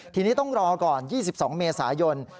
ทีนี้ต้องรอก่อน๒๒เมษายน